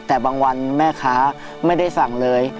แต่บางวันแม่ค้าไม่ได้สั่งเลย